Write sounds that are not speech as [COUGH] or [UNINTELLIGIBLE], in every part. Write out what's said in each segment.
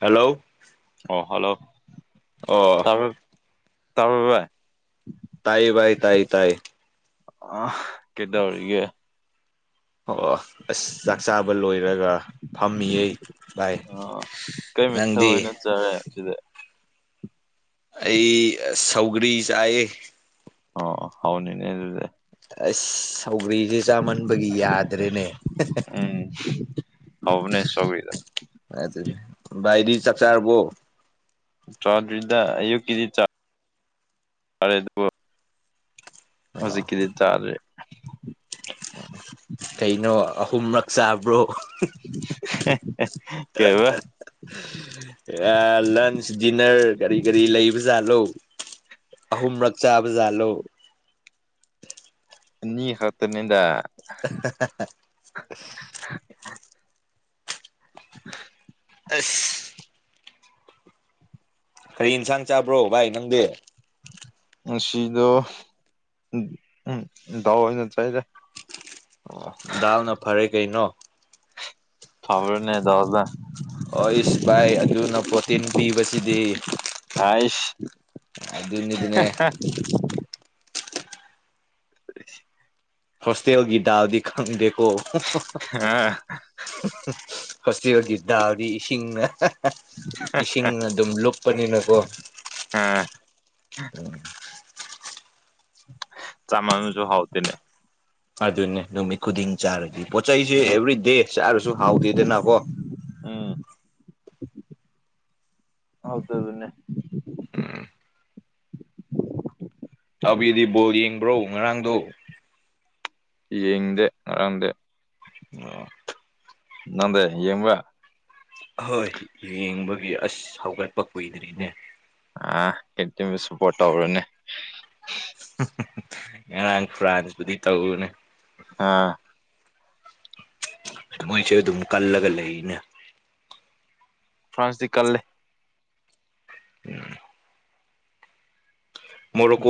hello ꯑꯣ hello ꯑꯣ ꯇ ꯇꯥ ꯚꯥꯏ ꯇꯥꯏ ꯏ ꯇꯥꯏ ꯇꯥꯏ ꯑ ꯀꯠꯇ ꯑꯣꯏꯌꯦꯦ ꯑꯣ ꯑꯁ ꯆꯥꯛ ꯆꯥꯕ ꯂꯣꯏꯔꯒ ꯐꯝꯃꯤꯌꯦ ꯥꯏ ꯀꯩꯃꯦ ꯊꯑꯣꯣꯏ ꯅ ꯆꯦ ꯑꯩ ꯁꯧꯒꯔꯤ ꯆꯑ ꯑꯣ ꯍꯥꯎꯅꯤꯅꯦ ꯍꯗꯦ ꯑꯁ ꯁꯧꯒ꯭ꯔꯤꯁꯦ ꯆꯥꯃꯟꯕꯒꯤ ꯌꯥꯗ꯭ꯔꯦꯅꯦ ꯎꯝ ꯍꯥꯎꯕꯅꯦ ꯁꯧꯒ꯭ꯔꯤꯗꯣ ꯑꯗꯨ ꯏꯗꯤ ꯆꯥꯛ ꯆꯥꯔꯔꯕꯣ ꯆꯥꯗꯔꯤꯗ ꯑ ꯀꯗꯤ ꯆꯔꯦ ꯑꯗꯨꯕꯨ ꯑꯣ ꯍꯧꯖꯤꯛꯀꯤꯗꯤ ꯇꯥꯔꯦ ꯀꯩꯅꯣ ꯑꯍꯨꯝꯔꯛ ꯆꯥꯕ꯭ꯔꯣ ꯀ ꯂꯟꯆ ꯗꯤꯅꯔ ꯀꯔꯤ ꯀꯔꯤ ꯂꯩꯕꯖꯥꯠꯂꯣ ꯑꯍꯨꯝ ꯃꯔꯛꯆꯥꯥꯕꯖꯂꯣ ꯅ ꯍꯠꯇꯅꯤꯗ [INAUDIBLE] ꯑꯁ ꯀꯔꯤ ꯏꯟꯁꯥꯡ ꯆꯥꯕ꯭ꯔꯣ ꯚꯥꯏ ꯅꯪꯗꯤ ꯁꯤꯗ ꯎ ꯗꯋꯥꯅ ꯆꯗ ꯑꯣ ꯗꯥꯜꯅ ꯐꯔꯦ ꯀꯩꯅꯣ ꯐꯕꯔꯅꯦꯗꯎꯔꯗ ꯍꯁ ꯚꯥꯏ ꯑꯗꯨꯅ ꯄ꯭ꯔꯣꯇꯤꯟ ꯄꯤꯕꯁꯤꯗꯤ ꯥꯏꯁ ꯑꯗꯨꯅꯤꯗꯅꯦ [INAUDIBLE] ꯐꯁꯇꯦ ꯍꯧ ꯒꯤꯗꯥꯗꯤ ꯈꯪꯗꯦꯀꯣ ꯑ ꯐꯣꯁꯇꯕꯒꯤꯗꯥꯗꯤ ꯏꯁꯤꯡꯅ ꯏꯁꯤꯡ ꯑꯗꯨꯝ ꯂꯨꯞꯄꯅꯤꯅꯀꯣ ꯑ ꯎꯝ ꯆꯥꯃꯅꯨꯁꯨ ꯍꯥꯎꯇꯅꯦ ꯑꯗꯨꯅꯦ ꯅꯨꯃꯤꯠ ꯈꯨꯗꯤꯡ ꯆꯥꯔꯗꯤ ꯄꯣꯠꯆ ꯆꯩꯁꯦ ꯑꯦꯕ꯭ꯔꯤꯗꯦ ꯆꯥꯔꯁꯨ ꯍꯥꯎꯇꯦꯗꯅꯀꯣ ꯍꯗ ꯑꯗꯨꯅꯦ ꯑꯕꯤꯗꯤ ꯕꯣꯜ ꯌꯦꯡꯕ꯭ꯔꯣ ꯉꯔꯥꯡꯗꯣ ꯌꯦꯡꯗꯦ ꯉꯔꯗꯦ ꯑ ꯅꯗꯦ ꯌꯦꯡꯕ ꯑꯣꯏ ꯌꯦꯡꯕꯒꯤ ꯑꯁ ꯍꯧꯒꯠꯄ ꯀꯨꯏꯗ꯭ꯔꯤꯅꯦ ꯑꯥ ꯀꯦꯇꯁꯨꯨꯄꯣꯔꯇꯎꯔꯅꯦꯦ ꯉꯔꯥꯡ ꯐ꯭ꯔꯥꯟꯁꯕꯨꯨꯗꯤ ꯇꯧꯅꯦ ꯑꯥ ꯃꯣꯏ ꯆ ꯑꯗꯨ ꯀꯜꯂꯒ ꯂꯩꯅꯦ ꯐ꯭ꯔꯥꯟꯁꯗꯤ ꯀꯜ ꯂꯩ ꯎꯝ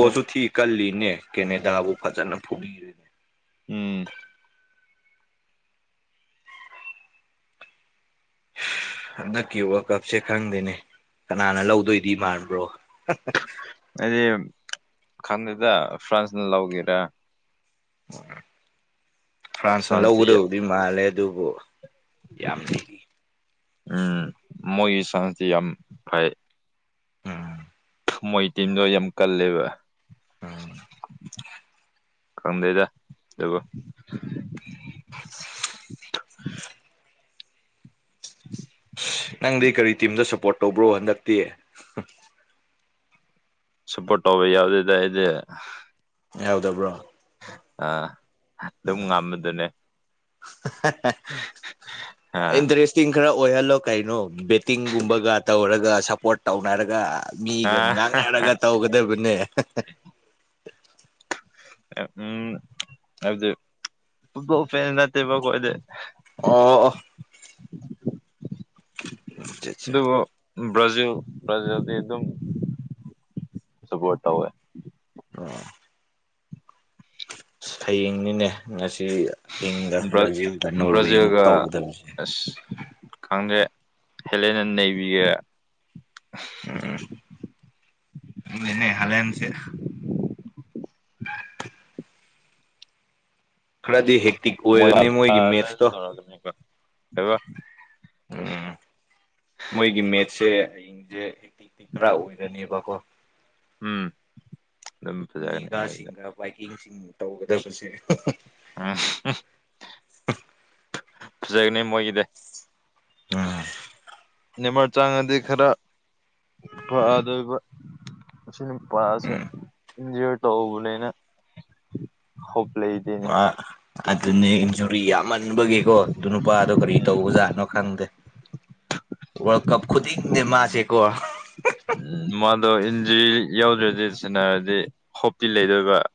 ꯌꯥꯝ ꯊꯤ ꯀꯜꯂꯤꯅꯦ ꯀꯦꯅꯦꯗꯥꯕꯨ ꯐꯖꯅ ꯐꯨꯕꯤꯔꯤꯅꯦ ꯎꯝ ꯍꯟꯗꯛꯀꯤꯣ ꯋꯥ ꯀꯞꯁꯦ ꯈꯪꯗꯦꯅꯦ ꯀꯅꯥꯅ ꯂꯧꯗꯣꯏꯗꯤ ꯃꯥꯟꯕ꯭ꯔꯣ [UNINTELLIGIBLE] t..... ꯈꯟꯗꯗ ꯐ꯭ꯔꯥꯟꯁ ꯅ ꯂꯥꯎꯒꯦꯔꯦ ꯎ ꯐ꯭ꯔꯥꯟꯁꯅ ꯐ꯭ꯔꯥꯟꯁꯇꯤ ꯂꯧꯒꯗꯕꯨꯗꯤ ꯃꯥꯜꯂꯦ ꯑꯗꯨꯕꯨ ꯌꯥꯝꯅꯗꯒꯤ ꯎꯝ ꯃꯣꯏꯒꯤ ꯁꯁꯤ ꯌꯥꯝ ꯐꯩ ꯎꯝ ꯃꯣꯏ ꯇꯤꯝꯗꯣ ꯌꯥꯝ ꯀꯜꯂꯦꯕ ꯎꯝ ꯀꯝꯗꯩꯗꯣ [INAUDIBLE] [INAUDIBLE] ꯅꯪꯗꯤ ꯀꯔꯤ ꯇꯤꯝꯗ ꯁꯞꯄꯣꯔꯠ ꯇꯧꯕ꯭ꯔꯣ ꯍꯟꯗꯛꯇꯤ ꯁꯄꯣ ꯇꯣꯕ ꯌꯥꯎꯗꯗ ꯏ ꯌꯥꯎꯗꯕ꯭ꯔꯣ ꯑ ꯑꯗꯨꯝ ꯉꯝꯕꯗꯨꯅꯦ ꯑꯥ ꯏꯟꯔꯦꯁ ꯈꯔ ꯑꯣꯏꯍꯜꯂꯣ ꯀꯩꯅꯣ ꯕꯦꯠꯇꯤꯡꯒꯨꯝꯕꯒ ꯇꯧꯔꯒ ꯁꯞꯄꯣꯔꯠ ꯇꯧꯅꯔꯒ ꯃꯤꯒ ꯑꯥ ꯉꯥꯡꯅꯔꯒ ꯇꯧꯒꯗꯕꯅꯦ ꯎꯝ ꯍꯥꯏꯗꯤ ꯐ ꯅꯠꯇꯦꯕꯗꯦ ꯑ ꯆꯥ ꯑꯗꯨꯕꯨ ꯕ꯭ꯔꯥꯖꯤꯜ ꯕ꯭ꯔꯥꯖꯤꯜꯗꯤ ꯑꯗꯨꯝ ꯁꯄꯣꯔꯠ ꯇꯧꯋꯦ ꯑ ꯍꯌꯦꯡꯅꯤꯅꯦ ꯉꯁꯤ ꯁꯤ ꯏꯪꯒ ꯕ꯭ꯔꯥ ꯕ꯭ꯔꯥꯖꯤꯜꯒ ꯅꯣꯔꯋꯦ ꯑꯃꯨꯛ ꯇꯧꯒꯗꯕꯁꯦ ꯈꯪꯗ꯭ꯔꯦ ꯍꯦꯜꯂꯦꯅ ꯅꯩꯕꯤꯒꯦ ꯎꯝꯅꯦ ꯍꯂꯦꯝꯦꯝꯁꯦ ꯈꯔꯗꯤ ꯍꯦꯛ ꯃꯣꯏ ꯊ ꯊ ꯑꯗꯨꯀꯣ ꯍꯕꯣ ꯎꯝ ꯃꯣꯏꯒꯤ ꯃꯦꯠꯁꯦ ꯍꯌꯦꯡꯁꯦ ꯍꯦꯛꯇꯤ ꯍꯛꯇꯤꯛ ꯈꯔ ꯑꯣꯏꯔꯅꯦꯕꯀꯣ ꯎꯝ ꯑꯗꯨꯝ ꯐꯖꯒꯅꯤ ꯃꯣꯏꯗ ꯏꯦꯡꯁꯤꯡ ꯇꯧꯒꯗꯕꯁꯦ ꯑ [INAUDIBLE] ꯐꯖꯦꯛꯅꯤ ꯑꯣꯏꯒꯤꯗꯦ ꯑ ꯅꯤꯃꯠ ꯆꯥꯡꯉꯗꯤ ꯈꯔ ꯐꯗꯣꯏꯕ ꯑꯁꯤꯅ ꯄꯥꯁꯦ ꯎꯝ ꯏꯟꯖꯣꯏ ꯇꯧꯕꯅꯦꯅ ꯅꯦ ꯃꯥ ꯑꯗꯨꯅꯦ ꯏꯟꯖꯨꯔꯤ ꯌꯥꯝꯃꯟꯕꯒꯤꯀꯣ ꯑꯗꯨ ꯅꯨꯄꯥꯗꯣ ꯀꯔꯤ ꯎꯝ ꯇꯧꯕ ꯖꯥꯠꯅꯣ ꯈꯪꯗꯦ ꯋꯥꯔꯜ ꯀꯄ ꯈꯨꯨꯗꯤ ꯃꯥꯁꯦ ꯀ ꯎꯝ ꯃꯥꯗꯣ ꯏꯟꯖꯔꯤ ꯌꯥꯎꯗ꯭ꯔꯗꯤ ꯁꯟꯅꯔꯗꯤ ꯍꯣꯞꯇꯤ ꯂꯩꯗꯣꯏꯕ [INAUDIBLE]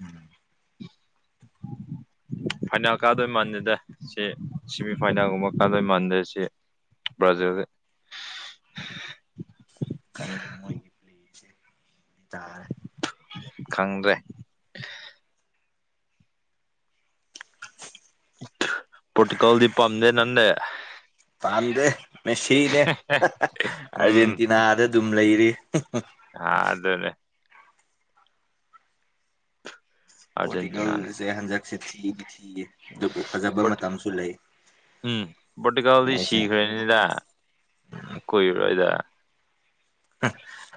ꯎꯝ ꯎꯝ ꯐꯥꯏꯅꯥꯜ ꯀꯥꯗꯣꯏ ꯃꯥꯟꯗꯦꯗꯦ ꯁꯤ ꯁꯦꯃꯤ ꯐꯥꯏꯅꯥꯜꯒꯨꯝꯕ ꯀꯥꯗꯣꯏ ꯃꯥꯟꯗꯦ ꯁꯤ ꯕ꯭ꯔꯥꯖꯤꯜ ꯀꯣꯏꯦ ꯈꯪꯗ꯭ꯔꯦ ꯄꯣꯇꯀꯜꯗꯤ ꯄꯥꯝꯗ ꯅꯦ ꯃꯝꯗꯦ ꯃꯦꯅꯦ ꯑꯥꯔꯖꯦꯟꯇꯤꯅꯥꯗ ꯑꯗꯨꯝ ꯂꯩꯔꯤ ꯑ ꯑꯗꯨ ꯑꯗꯨꯅꯦ ꯑꯥꯔꯖꯦꯟꯇꯤꯅꯥꯅꯦ ꯄꯣꯔꯇꯤꯒꯜꯁꯦ ꯍꯟꯗꯛꯁꯦ ꯊꯤꯗꯤ ꯊꯤꯌꯦ ꯑꯗꯨꯕꯨ ꯐꯖꯕ ꯄꯣꯔꯇꯨ ꯃꯇꯝꯁꯨ ꯂꯩ ꯎꯝ ꯄꯣꯇꯤꯀꯥꯜꯗꯤ ꯃꯣꯏꯁꯦ ꯁꯤꯈ꯭ꯔꯦꯅꯤꯗ ꯀꯨꯏꯔꯣꯏꯗ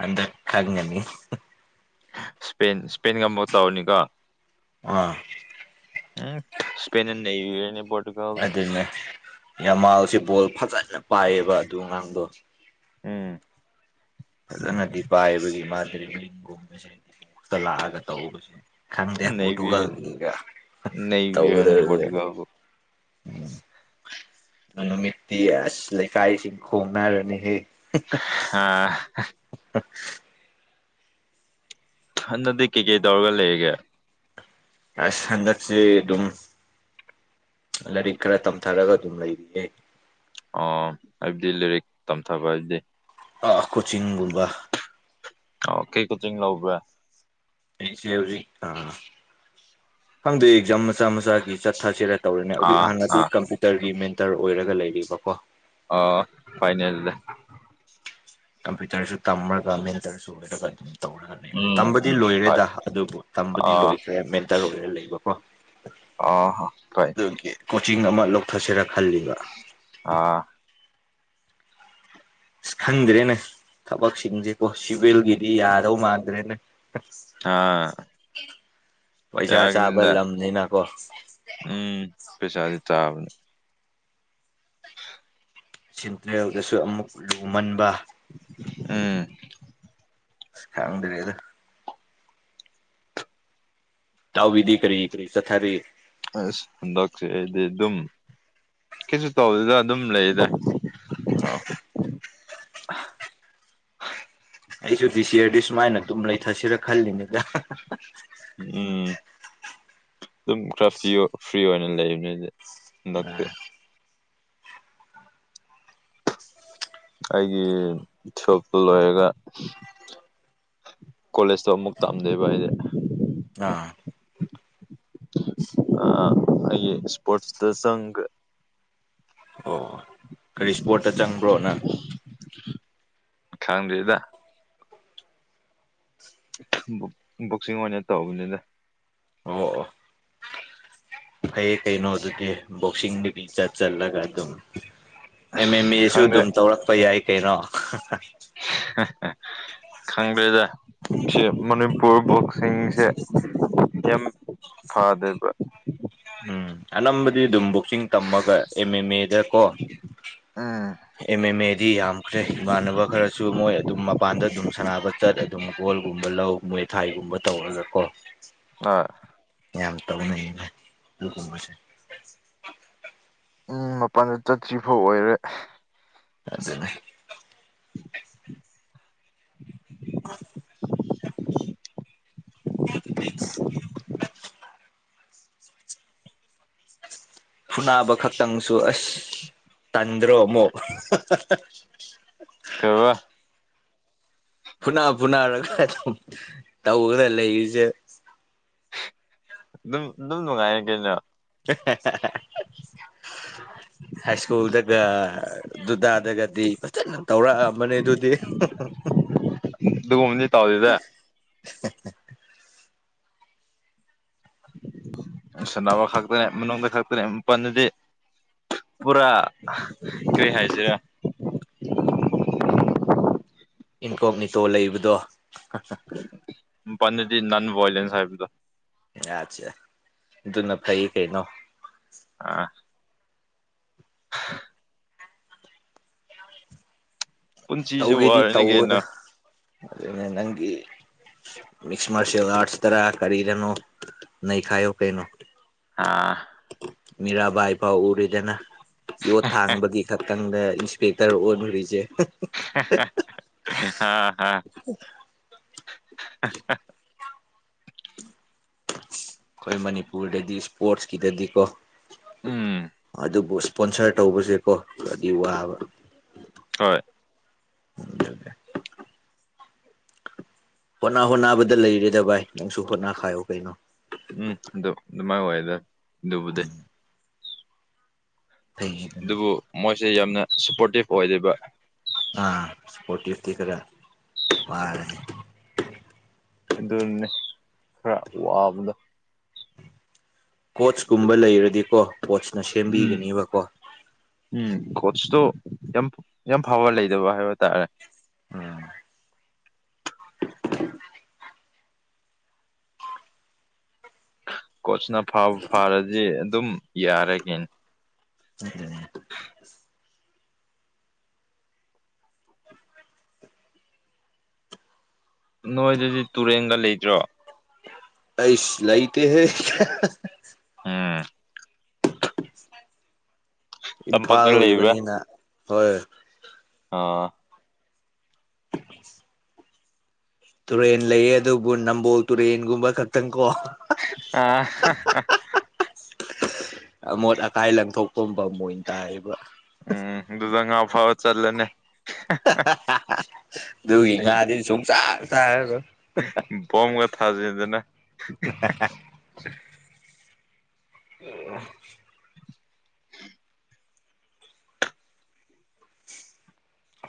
ꯑꯗ ꯀ ꯉꯅꯤ ꯁꯄ ꯏꯁꯄꯦꯟꯒ ꯃ ꯇꯧꯔꯅꯤꯀ ꯑꯥ ꯎꯝ ꯏꯁꯄꯦꯟ ꯑꯗꯨꯅꯦ ꯌꯥꯝꯃꯥꯜꯁꯦ ꯕꯣꯜ ꯐꯖꯅ ꯄꯥꯏꯑꯕ ꯑꯗꯨ ꯑꯉꯥꯡꯗꯣ ꯎꯝ ꯨꯝꯁꯛꯇ ꯂꯥꯛꯑꯒ ꯇꯧꯧꯕ ꯈꯪꯗꯦ ꯅꯩꯕꯤꯔꯅꯤ ꯄꯣꯇꯨꯒꯜꯒ ꯅꯩꯕꯤꯔꯅꯤ ꯇꯧꯒꯔꯦꯦ ꯄꯣꯔꯇꯨꯒꯥꯜꯕꯨ ꯎꯝ ꯃꯅꯃꯤꯤ ꯑꯁ ꯂꯩ ꯀꯥꯏ ꯁꯤ ꯈꯨꯣꯅꯔꯅꯤ ꯍꯦ ꯑ [INAUDIBLE] ꯍꯟꯗꯗꯤ ꯀꯩꯀꯩ ꯇꯧꯔꯒ ꯂꯩꯒꯦ ꯑꯁ ꯁꯟꯗꯁꯤꯦ ꯑꯗꯨꯝ ꯂꯥꯏꯔꯤꯛ ꯈꯔ ꯇꯝꯊꯔꯒ ꯑꯗꯨꯝ ꯂꯩꯔꯤꯌꯦ ꯑ ꯍꯥꯏꯕꯗꯤ ꯂꯥꯏꯔꯤꯛ ꯇꯝꯊꯕ ꯍꯥꯏꯕꯗꯤ ꯑ ꯀꯣꯆꯤꯡꯒꯨꯝꯕ ꯑꯣ ꯀꯩ ꯀꯣꯆꯤꯡ ꯂꯧꯕꯧꯕ꯭ꯔꯦ ꯑꯩꯁꯦ ꯍꯧꯖꯤꯛ ꯑꯥ ꯈꯪꯗꯦ ꯑꯦꯛꯖꯥꯝ ꯃꯆꯥ ꯃꯆꯥꯒꯤ ꯆꯠ ꯊꯥꯁꯤꯔ ꯇꯧꯔꯤꯅꯦ ꯑꯗꯨꯛ ꯑꯥ ꯍꯥꯟꯅꯗꯤ ꯑꯥ ꯀꯝꯄ꯭ꯌꯨꯇꯔꯒꯤ ꯃꯦꯟꯇꯔ ꯑꯣꯏꯔꯒ ꯂꯩꯔꯤꯕꯀꯣ ꯑ ꯐꯥꯏꯅꯦꯜꯗ ꯀꯝꯄ꯭ꯌꯨꯇꯔꯁꯨ ꯇꯝꯃꯔꯒ ꯃꯤꯦꯟꯇꯔꯁꯨ ꯑꯣꯏꯔꯒ ꯑꯗꯨꯝ ꯇꯧꯔꯒ ꯂꯩ ꯎꯝ ꯇꯝꯕꯗꯤ ꯎꯝ ꯍꯣꯏ ꯂꯣꯏꯔꯦꯗ ꯑꯗꯨꯕꯨ ꯇꯝꯕꯗꯤ ꯑꯥ ꯂꯣꯏꯈ꯭ꯔꯦ ꯃꯦꯟꯇꯔ ꯑꯣꯏꯒꯦꯔꯥ ꯂꯩꯕꯀꯣ ꯑ ꯇꯥꯏ ꯑꯗꯨꯒꯤ ꯀꯣꯆꯤꯡ ꯑꯃ ꯂꯧꯊꯠꯁꯔ ꯈꯜꯂꯤꯕ ꯑꯥ ꯑ ꯈꯪꯗ꯭ꯔꯦꯅꯦ ꯊꯕꯛꯁꯤꯡꯁꯦꯀꯣ ꯁꯤꯚꯦꯜꯒꯤꯗꯤ ꯌꯥꯗꯧ ꯃꯥꯟꯗ꯭ꯔꯦꯅꯦ ꯑꯥ ꯄꯩꯁꯥ ꯆꯥꯕ ꯌꯥꯒꯅꯤꯗ ꯂꯝꯅꯤꯅꯀꯣ ꯎꯝ ꯄꯩꯁꯥꯗꯤ ꯆꯥꯕꯅꯤ [INAUDIBLE] ꯁꯤꯦꯟꯇ꯭ꯔꯦꯜꯗꯁꯨ ꯑꯃꯨꯛ ꯂꯨꯃꯟꯕ ꯑꯝ ꯈꯪꯗꯔꯤꯗ ꯇꯥꯎ ꯗꯤꯤ ꯀꯔꯤ ꯏꯔꯤ ꯆꯊꯔꯤ ꯑꯁ ꯍꯟꯗꯛꯁꯦ ꯑꯩꯗꯤ ꯑꯗꯨꯝ ꯀꯩꯁꯨ ꯇꯧꯕꯗꯨꯗ ꯑꯗꯨꯝ ꯂꯩꯗ ꯑ [INAUDIBLE] ꯑꯩꯁꯨ ꯗꯤ ꯁꯤ ꯑꯔꯗꯤ ꯁꯨꯃꯥꯏꯅ ꯑꯗꯨꯝ ꯂꯩꯊꯁꯤꯔꯥ ꯈꯜꯂꯤꯅꯤꯗ ꯎꯝ ꯑꯗꯨꯝ ꯈ꯭ꯔ ꯐ꯭ꯔꯤ ꯑꯣꯏꯅ ꯂꯩꯕꯅꯤ ꯍꯟꯗꯛꯇꯤ ꯑꯩꯒꯤ ꯁꯣꯞꯇꯨ ꯂꯣꯏꯔꯒ ꯀꯣꯂꯦꯖꯇꯣ ꯑꯃꯨꯛ ꯇꯥꯑꯝꯗꯦꯕ ꯍꯥꯏꯗꯤꯦ ꯑꯥ ꯑ ꯑꯩ ꯏꯁꯄꯣꯠꯁ ꯁꯒ ꯑꯣ ꯀꯔꯤ ꯏꯁꯄꯣꯔꯠꯇ ꯆꯪꯕ꯭ꯔꯣ ꯅꯪ ꯈꯝꯗꯗ ꯕꯣꯛꯁꯤꯡ ꯑꯣꯏꯅ ꯇꯧꯕꯅꯤꯗ ꯑꯣ ꯑꯣ ꯀꯩꯌꯦ ꯀꯩ ꯅ ꯇ ꯀ ꯣꯁꯗꯤ ꯐ ꯆ ꯆꯜꯂꯒ ꯑꯗꯨ ꯑꯦꯝ ꯑꯦꯝ ꯑꯦꯁꯨ ꯈꯪꯗ꯭ꯔꯦ ꯑꯗꯨꯝ ꯇꯧꯔꯛꯄ ꯌꯥꯏ ꯀꯩꯅꯣ ꯈꯪꯗ꯭ꯔꯦꯗ ꯁꯤ ꯃꯅꯤꯄꯨꯔ ꯕꯣꯛꯁꯤꯡꯁꯦ ꯌꯥꯝ ꯐꯥꯗꯕ ꯎꯝ ꯑꯅꯝꯕꯗꯤ ꯑꯗꯨꯝ ꯕꯣꯛꯁꯤꯡ ꯇꯝꯃꯒ ꯑꯦꯝ ꯑꯦꯝ ꯑꯦꯗꯀꯣ ꯑ ꯑꯦꯝ ꯑꯦꯝ ꯑꯦꯗꯤ ꯌꯥꯝꯈ꯭ꯔꯦ ꯏꯃꯥꯟꯅꯕ ꯈꯔꯁꯨ ꯃꯣꯏ ꯑꯗꯨꯝ ꯃꯄꯥꯟꯗ ꯑꯗꯨꯝ ꯁꯥꯟꯅꯕ ꯆꯠ ꯑꯗꯨꯝ ꯒꯣꯜ ꯒꯨꯝꯕ ꯂꯧ ꯃꯣꯏ ꯊꯥꯏꯒꯨꯝꯕ ꯇꯧꯔꯒ ꯀꯣ ꯑ ꯌꯥꯝ ꯇꯧꯅ ꯀꯁꯦ ꯎꯝ ꯃꯄꯥꯟꯗ ꯆꯥꯠꯇ꯭ꯔꯤ ꯐꯥꯎ ꯑꯣꯏꯔꯦ ꯑꯗꯨꯗꯅꯦ [INAUDIBLE] [UNINTELLIGIBLE] ꯐꯨꯅꯥꯕ ꯈꯛꯇꯪꯁꯨ ꯑꯁ ꯇꯟꯗ꯭ꯔꯣ ꯑꯃꯨꯛ ꯀ ꯋꯥ ꯐꯨꯅꯥ ꯐꯨꯅꯥꯔꯒ ꯑꯗꯨꯝ ꯇꯧꯈꯗ ꯂꯩꯔꯤꯁꯦ ꯑꯗꯨꯝ ꯑꯗꯨꯝ ꯅꯨꯡꯉꯥꯏꯔ ꯀꯩꯅ ꯍꯥꯏ ꯁꯀꯨꯜꯗꯒ ꯑꯗꯨꯗꯨꯗꯥꯥꯗꯒꯗꯤ ꯐꯖꯅ ꯇꯧꯔꯛꯑꯝꯕꯅꯤ ꯑꯗꯨꯗꯤ [INAUDIBLE] ꯑꯗꯨꯒꯨꯝꯕꯗꯤ ꯇꯧꯗꯦꯗ ꯁꯥꯟꯅꯕ ꯈꯛꯇꯅꯦ ꯃꯅꯨꯡꯗ ꯈꯛꯇꯅꯦ ꯃꯄꯜꯗꯗꯤ ꯄꯨꯔꯥ ꯀꯔꯤ ꯍꯥꯏꯁꯤꯔꯥ ꯏꯟꯀꯣꯛ ꯅꯤꯇꯣꯜ ꯂꯩꯕꯗꯣ ꯄꯅꯦꯗꯤ ꯅꯟ ꯏꯂꯦꯟ ꯁꯥꯕꯗ ꯑꯆꯥ ꯑꯗꯨꯅ ꯐꯩ ꯀꯩꯅꯣ ꯑꯥ ꯄꯨꯟꯁꯤꯁꯦ ꯇꯧꯒꯗꯤ ꯋꯥꯔꯅꯤ ꯀꯩꯅꯣ ꯇꯧꯗ ꯑꯗꯨꯅꯦ ꯅꯪꯒꯤ ꯃꯁ ꯃꯥꯔꯁ ꯑꯔꯁ ꯇꯔ ꯀꯗꯅ ꯅ ꯈꯥꯏ ꯀꯩꯅꯣ ꯑꯥ ꯃꯤꯔꯥꯕꯥꯏ ꯐꯥꯎ ꯎꯔꯤꯗꯅ ꯌꯣꯠ ꯊꯥꯡꯕꯒꯤ ꯈꯛ ꯈꯤꯇꯪꯗ ꯏꯟꯁꯄꯦꯛꯇꯔ ꯑꯣꯨꯔꯤꯁꯦ ꯍꯥꯥ ꯍ ꯑꯩꯈꯣꯏ ꯃꯅꯤꯄꯨꯔꯗꯗꯤ ꯏꯁꯄꯣꯔꯠꯁꯀꯤꯗꯗꯤꯀꯣ ꯎꯝ ꯑꯗꯨꯕꯨ ꯏꯁꯄꯣꯟꯁꯔ ꯇꯧꯕꯁꯦꯀꯣ ꯑꯗꯨꯗꯤ ꯋꯥꯕ ꯍꯣꯏ ꯍꯣꯠꯅꯥ ꯍꯣꯅꯕꯗ ꯂꯩꯔꯦꯗ ꯚꯥꯏ ꯅꯪꯁꯨ ꯍꯣꯠꯅꯥ ꯈꯥꯏꯌꯣ ꯀꯩꯅꯣ ꯎꯝ ꯑꯗꯨ ꯑꯗꯨꯃꯥꯏꯅ ꯑꯣꯏꯗ ꯑꯗꯨꯕꯨꯗꯤ ꯊꯩꯒꯤꯅ ꯁꯦ ꯌꯥꯝꯅ ꯁꯄꯣꯔꯇꯤꯞ ꯑꯣꯏꯕ ꯑꯥ ꯁꯄꯣꯇꯤꯇꯤ ꯈꯔꯔꯦ ꯑꯗꯨꯅꯦ ꯈꯔ ꯋꯥꯕꯗꯣ ꯀꯣꯆꯀꯨꯝꯕ ꯂꯩꯔꯗꯤꯀꯣ ꯄꯣꯆꯅ ꯁꯦꯝꯕꯤꯒꯅꯦꯕꯀꯣ ꯀꯣꯁꯇꯣ ꯌꯥꯝ ꯌꯥꯝ ꯐꯕ ꯂꯩꯗꯕ ꯍꯥꯏꯕ ꯇꯥꯔꯦ ꯎꯝ ꯀꯣꯆꯅ ꯐꯥ ꯐꯥꯔꯗꯤ ꯑꯗꯨꯝ ꯌꯥꯔꯒꯦꯅꯦ [UNINTELLIGIBLE] [UNINTELLIGIBLE] ꯅꯣꯏꯗꯗꯤ ꯇꯨꯔꯦꯟꯒ ꯂꯩꯇ꯭ꯔꯣ ꯄꯩꯁ ꯂꯩꯥꯏꯇ ꯍ ꯀ ꯑꯥ ꯏꯝꯐꯥꯜ ꯇꯝꯄꯥꯛꯇ ꯂꯩꯕ꯭ꯔꯥ ꯑꯣꯏꯕꯅꯤꯅ ꯍꯣꯏ ꯑ [UNINTELLIGIBLE] ꯇꯨꯔꯦꯟ ꯂꯩꯌꯦ ꯑꯗꯨꯕꯨ ꯅꯝꯕꯣꯜ ꯇꯨꯔꯦꯟꯒꯨꯝꯕ ꯈꯛꯇꯪ ꯀꯣ ꯑꯝ ꯑꯃꯣꯠ ꯑꯀꯥꯏ ꯂꯪꯊꯣꯛꯄꯨꯝꯕ ꯑꯃ ꯑꯣꯏꯅ ꯇꯥꯏꯌꯦꯕ ꯎꯝ ꯑꯗꯨꯗꯨꯗ ꯉ ꯑꯐꯥꯕ ꯆꯜꯂꯅꯦ ꯑꯗꯨ ꯍ ꯉꯥꯗꯤ ꯁꯨ ꯆꯥ ꯆ ꯑꯣꯝꯒ ꯊꯥꯖꯗꯅ [UNINTELLIGIBLE] [UNINTELLIGIBLE]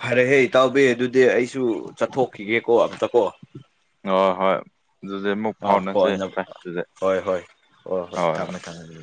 ꯐꯔꯦꯍꯦ ꯏꯇꯥꯎꯕꯤ ꯑꯗꯨꯗꯤ ꯑꯩꯁꯨ ꯆꯠꯊꯣꯛꯈꯤꯒꯦꯀꯣ ꯑꯝꯇꯀꯣ ꯑ ꯍꯣꯏ ꯑꯗꯨꯗꯤ ꯑꯃꯨꯛ ꯑꯥ ꯐꯥꯎꯅꯁꯦ ꯀꯣꯟꯅ ꯚꯥꯏ ꯑꯗꯨꯗꯤ ꯍꯣꯏ ꯍꯣꯏ ꯍꯣꯏ ꯍꯣꯏ ꯊꯝꯃꯦ ꯊꯝꯃꯦ ꯑꯗꯨ